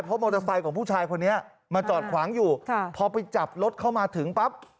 เพราะมอเตอร์ไซค์ของผู้ชายคนนี้มาจอดขวางอยู่พอไปจับรถเข้ามาถึงปั๊บ